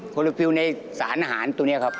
โลฟิลในสารอาหารตัวนี้ครับ